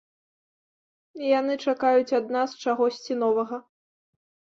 Яны чакаюць ад нас чагосьці новага.